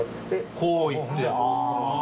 こういってあぁ。